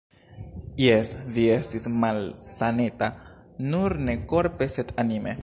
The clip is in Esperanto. Jes, vi estis malsaneta, nur ne korpe, sed anime.